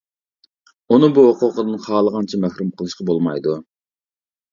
ئۇنى بۇ ھوقۇقىدىن خالىغانچە مەھرۇم قىلىشقا بولمايدۇ.